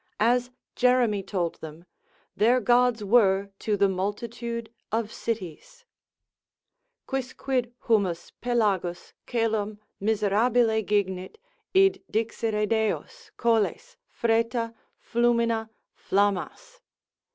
As Jeremy told them, their gods were to the multitude of cities; Quicquid humus, pelagus, coelum miserabile gignit Id dixere deos, colles, freta, flumina, flammas.